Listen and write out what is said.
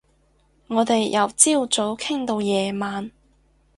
我哋由朝早傾到夜晚